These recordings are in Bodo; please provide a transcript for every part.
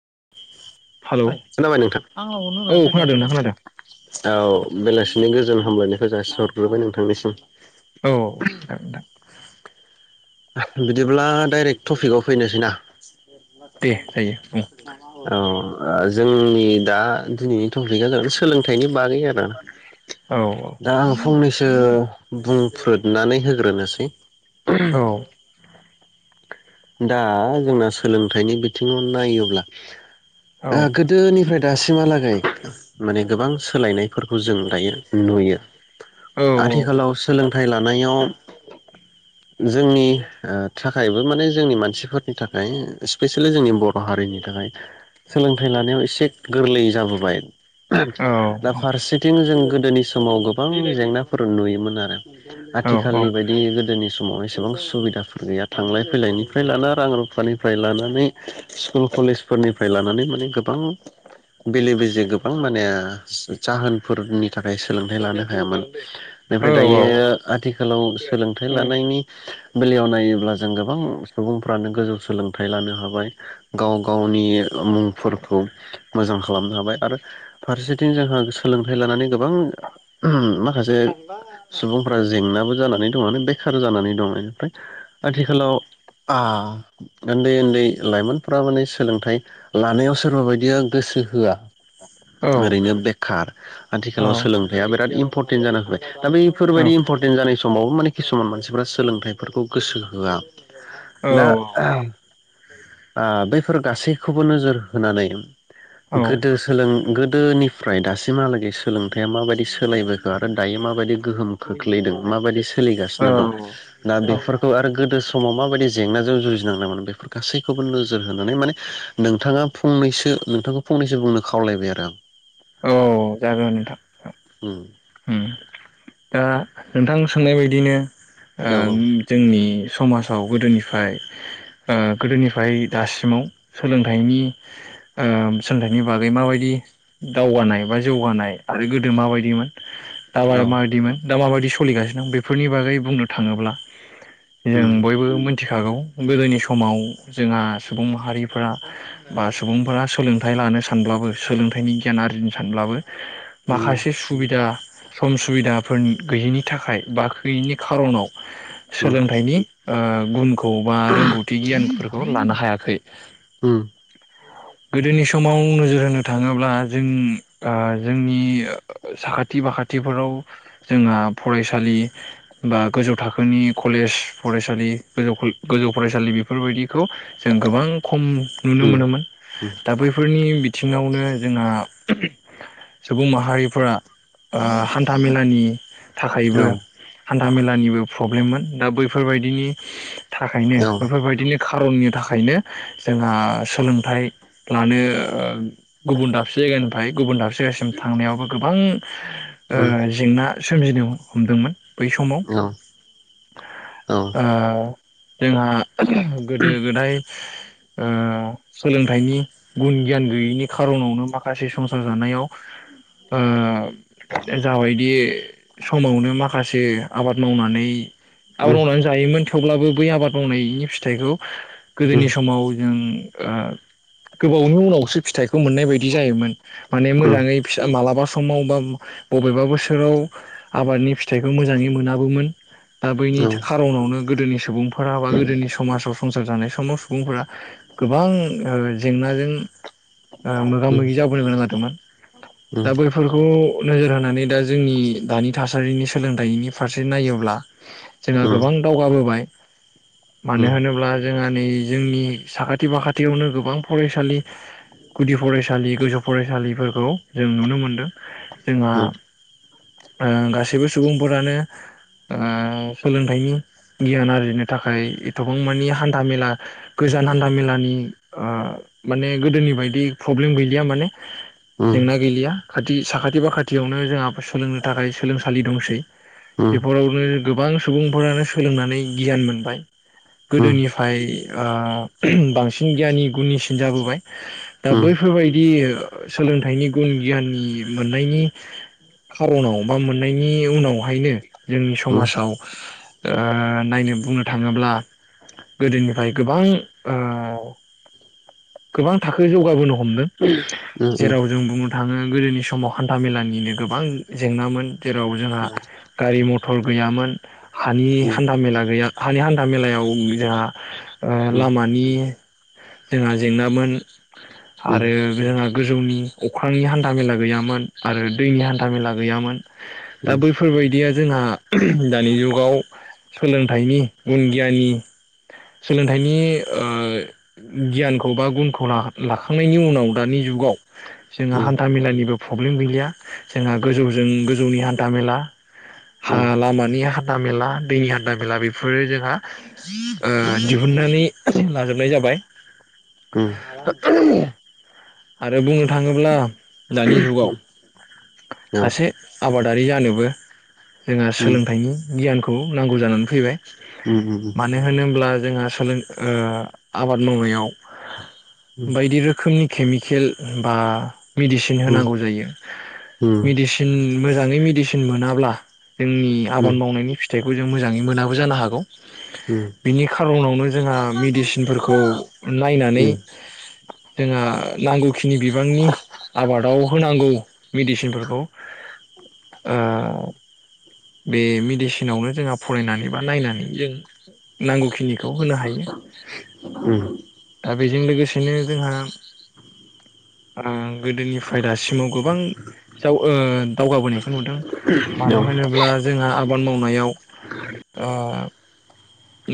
[inaudible] [unintelligible] खोनाबाय नोंथांं खोनादों नोंथां खोनादों औ बेलासिनि गोजोन गोजोन हामलायनायखौ जासि हरग्रोबाय नोंथांनिसिम। औ जागोन नोंथां बिदिब्ला डाइरेक्ट टपिकआव फैनोसैना? दे जायो बुं [unintelligible] औ औ ओ जोंनि दा दिनैनि टपिकआ जागोन सोलोंथाइनि बागै आरो औ दा आं फंनैसो सो बुंफ्रुदनानै होग्रोनोसै औ [unintelligible] दा जोंना सोलोंथाइनि बिथिङाव नायोब्ला औ ओ गोदोनिफ्राय दासिमहालागै माने गोबां सोलायनायफोरखौ जों दायो नुयो। औ आथिखालाव सोलोंथाइ थाय लानायाव जोंनि ओ थाखायबो माने जोंनि मानसिफोरनि थाखाय स्पेसेयेलि जोंनि बर' हारिनि थाखाय सोलोंथाइ लानायाव एसे गोरलै जाबोबाय। [unintelligible] औ दा फारसेथिं जों गोदोनि समाव गोबां जेंनाफोर नुयोमोन आरो औ आथिखालनि बायदि गोदोनि समावहाय सेबां सुबिदाफोर गैया थांलाय फैलायनि निफ्राय लाना रां रुफानिफ्राय लानानै स्कुल कलेजफोरनिफ्राय लानानै माने गोबां बेले बेजे गोबां माने ओ जाहोनफोरनि थाखाय सोलोंथाइ लानो हायामोन। बेनिफ्राय दायो आथिखालाव सोलोंथाइ लानायनि बेलायाव नायोब्ला जों गोबां सुबुंफ्रानो गोजौ सोलोंथाइ लानो हाबाय गाव गावनि ओ मुंफोरखौ मोजां खालामनो हाबाय आरो फारसेथिं जोंहा सोलोंथाइ लानानै गोबां माखासे सुबुंफ्रा जेंनाबो जानानै दं बेखार जानानै दं बेनिफ्राय आथिखालाव आ ओन्दै ओन्दै लाइमोनफ्रा माने सोलोंथाइ लानायाव सोरबा बायदिया गोसो होआ ओरैनो बेखार आथिखालाव सोलोंथाया बिराद इम्पर थेन जाना होबाय दा इफोरबायदि इमपटेन्ट जानायस समावबो माने किसुमान मानसिफ्रा सोलोंथाइफोरखौ गोसो होआ। दा ओ बैफोर गासैखौबो नोजोर होनानै गोदो सोलों गोद दोनिफ्राय दासिमहालागै सोलोंथाइया माबायदि सोलायबोखो आरो दायो माबायदि गोहोम खोख्लैदों माबायदि सोलिगासिनो दं औ ना औ बेफोरखौ आरो गोदो सम समाव माबायदि जेंनाजों जुजिनांनामोन बेफोर गासै खौबो नोजोर होनानै माने नोंथाङा फंनैसो नोंथांखौ फंनैसो बुंनो खावलायबाय आरो आं। औ औ औ जागोन नोंथां उम हम दा नोंथां सोंनाय बायदिनो औ ओं औ जोंनि समाजाव गोदोनिफ्राय ओ गोदोनिफ्राय दासिमाव सोलोंथाइनि ओ सोलोंथाइनि बागै माबायदि दावगानाय बा जौगानाय आरो गोदो माबायदिमोन [inaudible] दा औ माबायदि सलिगासिनो दं बेफोरनि बागै बुंनो थाङोब्ला उम जों बयबो मोन थिखागौ गोदोनि समाव जोंहा सुबुं माहारि फोरा बा सुबुंफोरा सोलोंथाइ लानो स सानब्लाबो सोलोंथाइनि ग्रिनो सानब्लाबो उम औ उम औ उम औ उम औ उम औ उम माखासे सुबिदा सम सुबिदाफोर गैयैनि थाखाय बा खोयैनि खारनाव सोलोंथाइनि ओ बन [unintelligible] खौबा रोंगौथि गियानफोरखौ बेखौ लानो हायाखै उम गोदोनि समाव नोजोर होनो थाङोब्ला जों आ जोंनि साखाथि बाखाथिफोराव जोंहा फरायसालि बा गोजौ थाखोनि कलेज फरायसालि गोजौ फरायसालि बेफोरबायदि खौ जों गोबां खम नुनो मोनोमोन दा बैफोरनि बिथिङावनो जोंहा सुबुं माहारिफोरा आ हान्था मेलानि थाखायबो हान्था मेलानिबो प्रब्लेममोन दा बैफोरबायदिनि थाखायनो बेफोरबायदिनो खारननि थाखायनो जोंहा सोलोंथाइ लानो गुबुन दाबसे निफाय गुबुन दाबसे जायगसिम थांनायावबो गोबां जेंना [unintelligible] सोमजिनो हमदोंमोन बै समाव जोंहा गोदो गोदाय ओ सोलोंथाइनि गुन गियान गैयैनि खारनावनो माखासे फासे संसार जानायाव ओ जाबायदि समावनो माखासे ए आबाद मावनानै आबाद मावनानै जायोमोन थेवब्लाबो बै आबाद मावनायनि फिथाइखौ गोदोनि समाव जों आ गोबावनि उनावसो फिथाइखौ मोननाय बायदि बिदि जायोमोन माने मोजाङै फिसा मालाबा समाव बा बबेबा बोसोराव आबादनि फि फिथाइखौ मोजाङै मोनाबोमोन दा बैनि खार'नावनो गोदोनि सुबुंफोरा बा गोदोनि समाजाव संसार जानाय सम सुबुंफोरा गोबां ओ जेंनाजों ओ मो मोगा मोगि जाबोनो गोनां जादोंमोन दा बैफोरखौ नोजोर होनानै दा जोंनि दानि थासारिनि सोलोंथाइनि फारसे नायोब्ला जोंहा गोबां दावगाबोबाय मानो होनोब्ला जोंहा नै जोंनि साखाथि फाखाथियावनो गोबां फरायसालि गुदि फरायसालि गोजौ फरायसालिफोरखौ जों नुनो मोनदों जोंहा उम ओ गासै गासैबो सुबुंफोरानो ओ सोलोंथाइनि गियान आरजिनो थाखाय एथबां मानि हान्था मेला गोजान हान्था मेलानि ओ माने गोदोनि बायदि प्रब्लेम गैलिया माने जेंना गैलिया साखाथि साखाथि फाखाथियावनो जोंहा सोलोंनो थाखाय सोलोंसालि दंसै। बेफोरावनो गोबां सुबुंफोरानो सोलोंनानै गियान मोनबाय। गोदोनिफाय ओ बांसिन गियानि गुनिसिन जाबोबाय। दा बैफोरबायदि सोलोंथाइनि गुन गियाननि मोननायनि खारनाव बा मोननायनि उनावहायनो जोंनि समाजाव ओ नायनो बुंनो थाङोब्ला गोदोनिफ्राय गोबां ओ गोबां थाखो खौ जौगाबोनो हमदों। जेराव जों बुंनो थाङो गोदोनि समाव हान्था मेलानिनो गोबां जेंनामोन जेराव जोंहा गारि मथर गैयामोन। हानि हान्थाामेला गैया हानि हान्था मेलायाव जोंहा ओ लामानि जोंहा जेंनामोन आरो जोंहा गोजौनि अख्रांनि हान्था मेला गैयामोन आरो दैनि हान्था मेला गैयामोन दा बैफोरबायदिया जोंहा दानि जुगाव सोलोंथाइनि गुन गियाननि सोलोंथाइनि ओ गियानखौ बा गुनखौ ला-लाखांनायनि उनाव दानि जुगाव जोंहा हान्था मेलानिबो प्रब्लेम गैलिया जोंहा गोजौजों गोजौनि हान्था मेला लामानि हान्था मेला दैनि हान्था मेला बेफोरो जोंहा ओ दिहुननानै लाजोबनाय जाबाय। [unintelligible] आरो बुंनो थाङोब्ला दानि जुगाव सासे आबादारि जानोबो जोंहा सोलोंथाइनि गियानखौ नांगौ जानानै फैबाय। मानो होनोब्ला जोंहा सोंलों ओ आबाद मावनायाव बायदि रोखोमनि केमिकेल बा मेडिसिन होनांगौ जायो। मेडिसिन मोजाङै मेडिसिन मोनाब्ला जोंनि आबाद मावनायनि फिथाइखौ जों मोजाङै मोनाबो जानो हागौ। बिनि खारनावनो जोंहा मेडिसिनफोरखौ नायनानै जोंहा नांगौखिनि बिबांनि आबादाव होनांगौ। मेडिसिनफोरखौ ओ बे मेडिसिनावनो जोंहा फरायनानै बा नायनानै जों नांगौखिनिखौ होनो हायो। दा बेजों लोगोसेनो जोंहा ओ गोदोनिफ्राय दासिमाव गोबां दाव दावगाबोनायखौ नुदों। मानो होनोब्ला अब्ला जोंहा आबाद मावनायाव ओ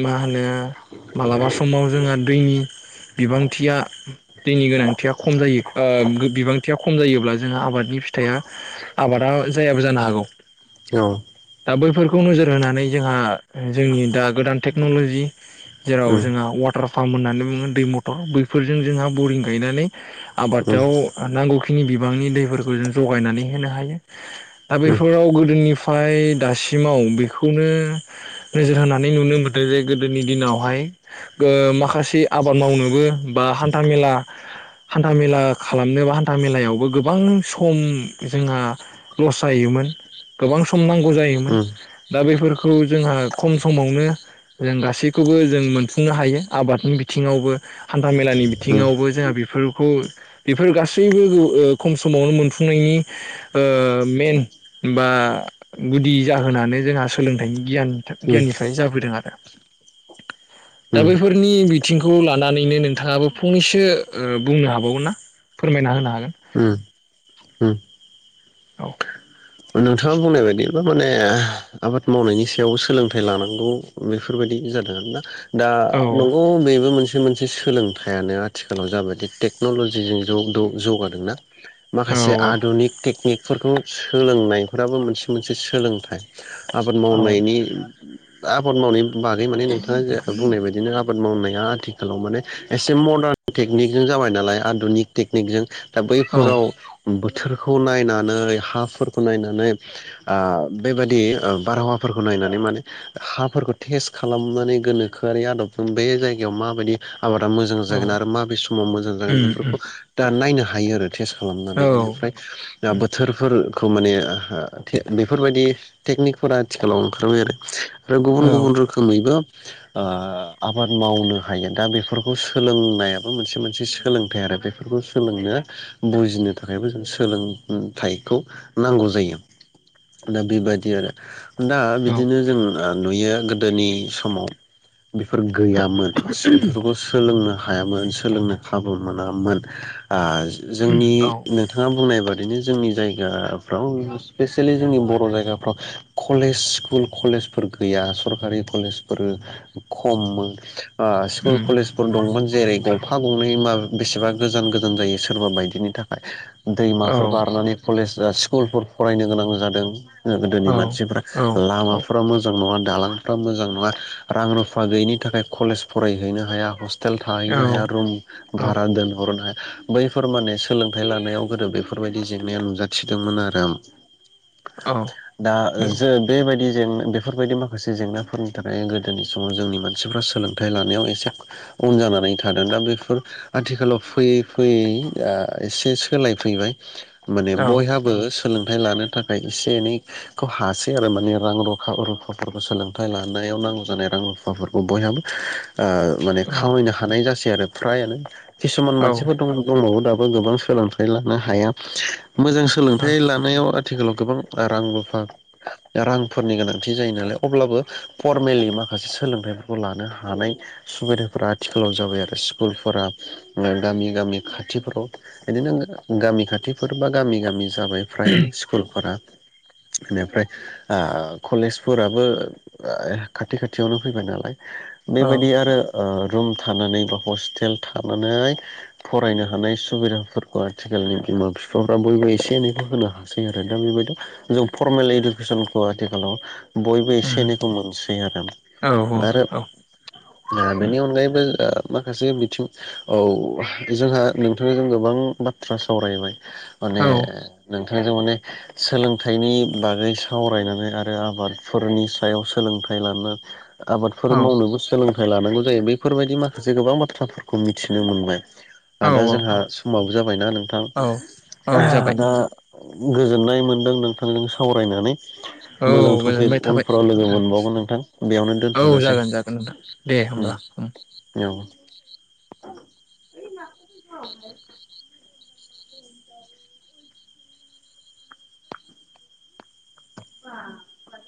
मा होनो मालाबा समाव जोंहा दैनि बिबांथिया दैनि गोनांथिया खम जायो ओ बिबांथिया खम जायोब्ला जोंहा आबादनि फिथाइया आबादा जायाबो जानो हागौ। दा बैफोरखौ नोजोर होनानै जोंहा जोंनि दा गोदान टेक्नलजि जेराव जोंहा वाटार पाम्प होननानै बुङो दै मथर बैफोरजों जोंहा बरिं गायनानै आबादाव नांगौखिनि बिबांनि दैफोरखौ जों जगायनानै होनो हायो। दा बेफोराव गोदोनिफ्राय दासिमाव बेखौनो नोजोर होनानै नुनो मोन आरो जे गोदोनि दिनावहाय ओ माखासे आबाद मावनोबो बा हान्था मेला हान्था मेला खालामनो बा हान्था मेलायावबो गोबां सम जोंहा लस जायोमोन। गोबां सम नांगौ जायोमोन दा बेफोरखौ जोंहा खम समावनो जों गासैखौबो जों मोनफुंनो हायो आबादनि बिथिङावबो हान्था मेलानि बिथिङावबो जोंहा बेफोरखौ बेफोर गासैबो ओ खम समावनो मोनफुंनायनि ओ मेन बा गुदि जाहोनानो जोंहा सोलोंथाइनि गियान गियाननिफ्रायनो जाबोदों आरो। दा बैफोरनि बिथिंखौ लानानैनो नोंथाङाबो फंनैसो ओ बुंनो हाबावगोन ना फोरमायना होनो हागोन। उम उम उम औ नोंथाङा बुंनाय बायदि माने आबाद मावनायनि सायावबो सोलोंथाइ लानांगौ बेफोरबायदि जादों आरो ना दा औ नंगौ बेबो मोनसे बियो मोनसे सोलोंथाइयानो आथिखालाव जाबायदि टेक्नलजिजों जग जौगादों ना। माखासे औ आधुनिक टेकनिक फोरखौ सोलोंनाय फोराबो मोनसे मोनसे सोलोंथाइ। आबाद औ मावनायनि आबाद मावनायनि बागै माने नोंथाङा जे बुंनाय बायदिनो आबाद मावनाया आथिखालाव माने एसे मदार्न टेकनिकजों जाबाय नालाय आधुनिक टेकनिकजों दा औ बैफोराव बो बोथोरखौ नायनानै हाफोरखौ नायनानै नानै ओ बेबायाददि ओ बारहावाफोरखौ नायनानै माने हाफोरखौ टेस्ट खालामनानै गोनोखोआरि आदबजों बे जायगायाव माबायदि आबादा मोजां औ जागोन आरो माबे समाव मोजां जागोन उम बेफोरखौ उम दा नायनो हा हायो आरो टेस्ट औ खालामनायानो औ फ्राय बोथोरफोर खौ माने ओ के बेफोरबायदि टेकनिकफोरा आथिखालाव ओंखारबाय आरो आरो गुबुन गुबुन रोखोमैबो ओ आबाद मावनो हायो दा बेफोरखौ सोलोंनायाबो मोनसे मोनसे सोलोंथाइ आरो बेफोरखौ सोलोंनो बुजिनो थाखायबो जों सो सोलोंथाइखौ नांगौ जायो दा बेबायदि आरो दा बिदिनो जों ओ नुयो गोदोनि समाव बेफोर गैयामोन बेफोरखौ सोलोंनो हायामोन सोलोंनो खाबु मोनामोन ओ जोंनि नोंथाङा बुंनाय बादिनो जोंनि जायगाफ्राव स्पेसियेलि जोंनि बर' जायगाफ्राव कलेज स्कुल कलेजफोर गैया सरकारि कलेजफोर खम आ स्कुल उम कलेजफोर दंमोन जेरै गंफा गंनै माबा बेसेबा गोजान गोजान जायो सोरबा बायदिनि थाखाय औ दैमाफोर बारनानै कलेज स्कुलफोर फरायनो गोनां जादों गोदोनि औ मानसिफोरा औ औ नंगौ औ उम औ लामाफोरा मोजां नङा दालांफ्रा मोजां नङा रां रुफा गैयैनि थाखाय कलेज फरायहैनो हाया ह टेल थाहैनो हाया आरो रुम भारा दोनहरनो हाय बैफोर माने सोलोंथाइ लानायाव गोदो बेफोरबायदि जेंनाया नुजाथिदोंमोन आरो [inaudible] दा ज बेबायदि जेंना बेफोरबायदि माखासे जेंनाफोरनि थाखाय गोदोनि समाव जोंनि मानसिफ्रा सोलोंथाइ लानायाव एसे उन जानानै थादों दा बेफोर आथिखालाव फैयै फैयै आ एसे सोलायफैबाय माने बयहाबो सोलोंथाइ लानो थाखाय एसे एनैखौ हासै आरो माने रां रुफा रुफाफोरखौ सोलोंथाइ लानायाव नांगौ जानाय रां रुफाफोरखौ बयहाबो आ माने खामायनो हानाय जासै आरो फ्रायानो किसुमान मानसिफोर दं दंबावो दा बां सोलोंथाइ लानो हाया मोजां थाइ लानायाव आथिखालाव गोबां रां रुफा रांफोरनि गोनांथि जायो नालाय अब्लाबो फरमेलि माखासे सोलोंथाइफोरखौ लानो हानाय सुबिदाफोरा आथिखालाव जाबाय आरो स्कुलफोरा ओ गामि गामि खाथिफोराव बिदिनो गामि खाथिफोर बा गामि गामि जाबाय फ्रायानो स्कुलफोरा बेनिफ्राय आ कलेजफोराबो खाथि खाथियावनो फैबाय नालाय बेबायदि आरो ओ रुम थानानै बा हस्टेल थानानै फरायनो हानाय सुबिदाफोरखौ आथिखालनि बिमा बिफाफ्रा बयबो एसे एनैबो होनो हासै आरो दा बेबायदि जों फरमेल इडुकेसनखौ आथिखालाव बयबो एसे एनैखौ मोनसै आरो आरो बेनि अनगायैबो माखासे बिथिं औ जोंहा नोंथांनो जों गोबां बाथ्रा सावरायबाय अ माने नोंथांजों माने सोलोंथाइनि बागै सावरायनानै आरो आबादफोरनि सायाव सोलोंथाइ लानानै आबादफोर मावनोबो सोलोंथाइ लानांगौ जै बैफोरबायदि माखासे गोबां बाथ्राफोरखौ मिथिनो मोनबाय। दा औ जोंहा समावो जाबायना नोंथां औ औ औ जाबाय दा। गोजोननाय मोन्दों नोंथांजों सावरायनानै। औ मोजां टपिक गोजोनबाय थाबाय उनफोराव लोगो नोंथां मोनबावगोन नोंथां बेयावनो औ दोनथ'नोसै जागोन जागोन नोंथां दे होमबा [unintelligible] [unintelligible] [unintelligible]